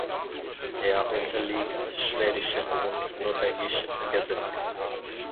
Er unterliegt schwedischen und norwegischen Gesetzen.